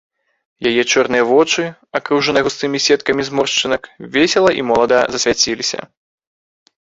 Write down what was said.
Яе чорныя вочы, акружаныя густымі сеткамі зморшчынак, весела і молада засвяціліся.